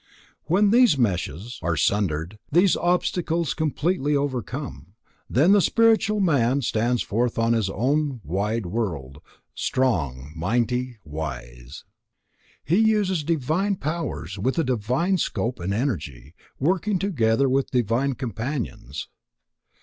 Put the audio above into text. When these meshes are sundered, these obstacles completely overcome, then the spiritual man stands forth in his own wide world, strong, mighty, wise. He uses divine powers, with a divine scope and energy, working together with divine Companions.